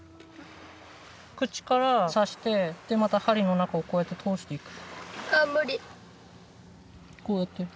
口から刺してでまた針の中をこうやって通していく。